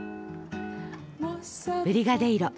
ブリガデイロ。